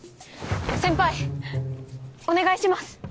先輩お願いします！